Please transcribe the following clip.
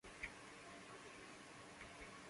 El condado recibe su nombre en honor a George Washington.